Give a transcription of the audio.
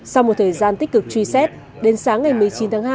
sau một thời gian tích cực truy xét đến sáng ngày một mươi chín tháng hai